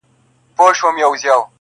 زما پر زړه لګي سیده او که کاږه وي,